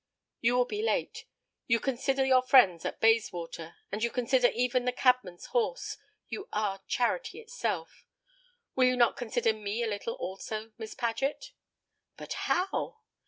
"You will be late. You consider your friends at Bayswater, and you consider even the cabman's horse. You are charity itself. Will you not consider me a little also, Miss Paget?" "But how?"